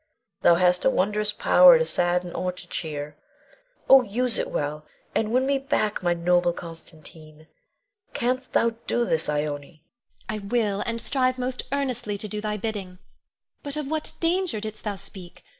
Thou hast a wondrous power to sadden or to cheer. Oh, use it well, and win me back my noble Constantine! Canst thou do this, Ione? Ione. I will; and strive most earnestly to do thy bidding. But of what danger didst thou speak?